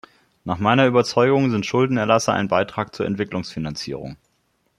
Nach meiner Überzeugung sind Schuldenerlasse ein Beitrag zur Entwicklungsfinanzierung.